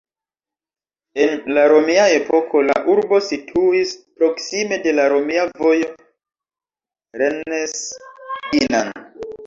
En la romia epoko, la urbo situis proksime de la romia vojo Rennes-Dinan.